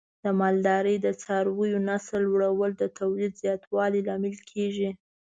د مالدارۍ د څارویو نسل لوړول د تولید زیاتوالي لامل کېږي.